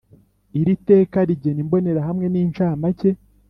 Iri teka rigena imbonerahamwe n incamake